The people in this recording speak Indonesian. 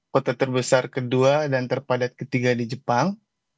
kota terbesar kedua dan terpadat ketiga di jepang